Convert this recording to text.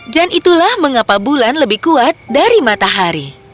dan itulah mengapa bulan lebih kuat dari matahari